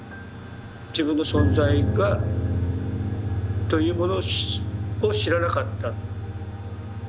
自分の存在というものを知らなかった。